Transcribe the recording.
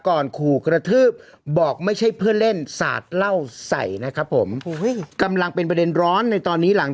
ขู่กระทืบบอกไม่ใช่เพื่อนเล่นสาดเหล้าใส่นะครับผมกำลังเป็นประเด็นร้อนในตอนนี้หลัง